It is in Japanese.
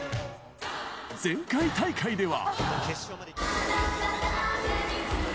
前回大会では。